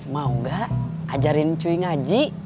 mau gak ajarin cui ngaji